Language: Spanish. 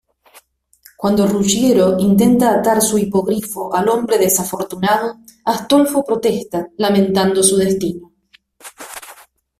Cuando Ruggiero intenta atar su hipogrifo al hombre desafortunado, Astolfo protesta, lamentando su destino.